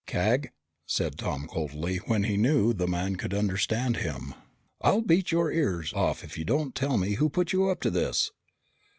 "Cag," said Tom coldly, when he knew the man could understand him, "I'll beat your ears off if you don't tell me who put you up to this!"